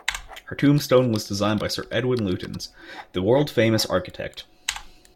Her tombstone was designed by Sir Edwin Lutyens, the world-famous architect.